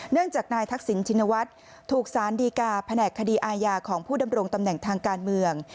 เนื่องจากนายทักษิณชินวัฒน์ถูกสารดีกาแผนกคดีอาญาของผู้ดำรงตำแหน่งทางการเมือง